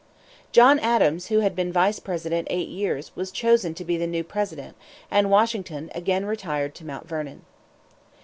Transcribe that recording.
John Adams, who had been Vice President eight years, was chosen to be the new President, and Washington again retired to Mount Vernon.